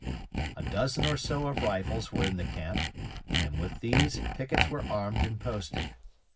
A dozen or so of rifles were in the camp, and with these pickets were armed and posted.